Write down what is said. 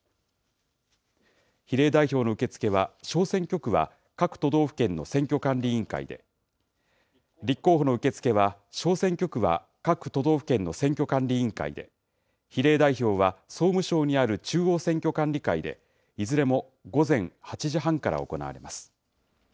比例代表の受け付けは小選挙区は各都道府県の選挙管理委員会で、立候補の受け付けは小選挙区は各都道府県の選挙管理委員会で、比例代表は総務省にある中央選挙管理会で、いずれも午前８時半から行われます。